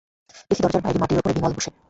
দেখি দরজার বাইরে মাটির উপরে বিমল বসে!